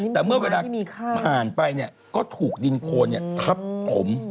เมื่อเมื่อมันผ่านไปก็ถูกดินโคณทับกลม